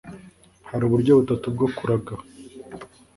hari uburyo butatu bwo kuraga